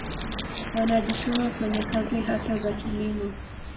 Wanajituma kwenye kazi hasa za kilimo